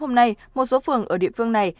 hôm nay một số phường ở địa phương này